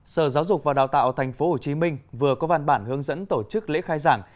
sở giáo dục và đào tạo tp hcm vừa có văn bản hướng dẫn tổ chức lễ khai giảng